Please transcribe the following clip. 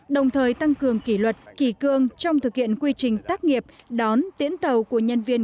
đồng thời tăng cường kỷ luật kỳ cương trong thực hiện quy trình tác nghiệp đón tiễn tàu của nhân viên